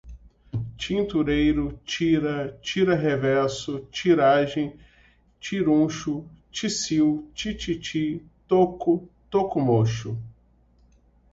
tintureiro, tira, tira revesso, tiragem, tiruncho, tisiu, tititi, toco, toco mocho